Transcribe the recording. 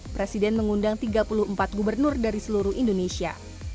presiden mengundang tiga puluh empat gubernur dari seluruh indonesia